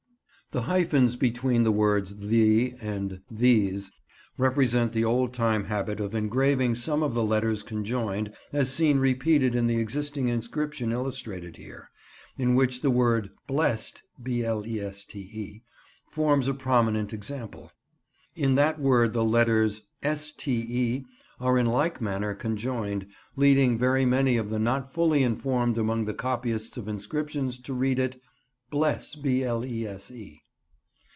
The hyphens between the words "the" and "thes" represent the old time habit of engraving some of the letters conjoined, as seen repeated in the existing inscription illustrated here, in which the word "bleste" forms a prominent example. In that word the letters "ste" are in like manner conjoined, leading very many of the not fully informed among the copyists of inscriptions to read it "blese."